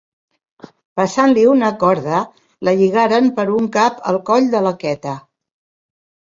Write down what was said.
Passant-li una corda, la lligaren per un cap al coll de l’haqueta.